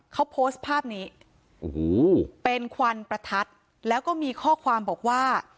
เขาโพสต์ภาพนี้โอ้โหเป็นควันประทัดแล้วก็มีข้อความบอกว่า